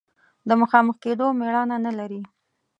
د مخامخ کېدو مېړانه نه لري.